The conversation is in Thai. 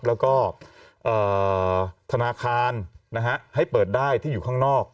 แล้วก็ธนาคารให้เปิดได้ที่อยู่ข้างนอก